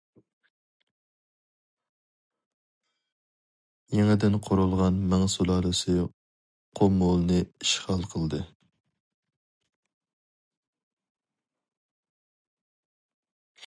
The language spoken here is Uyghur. يېڭىدىن قۇرۇلغان مىڭ سۇلالىسى قۇمۇلنى ئىشغال قىلدى.